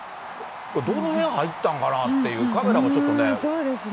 どの辺入ったんかなという、カメラもちょっとね。